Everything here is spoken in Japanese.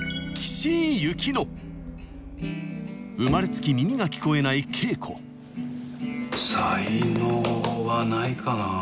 生まれつき耳が聞こえないケイコ才能はないかな。